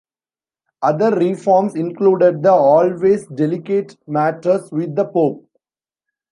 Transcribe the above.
Other reforms included the always delicate matters with the pope.